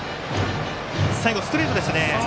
最後、ストレートでしたね。